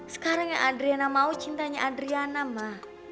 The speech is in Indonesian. sekarang yang adriana mau cintanya adriana ma